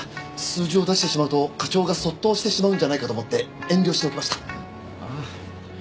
数字を出してしまうと課長が卒倒してしまうんじゃないかと思って遠慮しておきました。